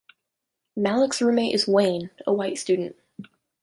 Malik's roommate is Wayne, a white student.